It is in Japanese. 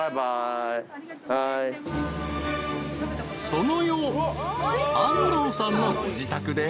［その夜安藤さんの自宅で］